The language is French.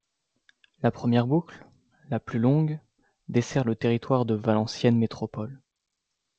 La première boucle, la plus longue, dessert le territoire de Valenciennes Métropole.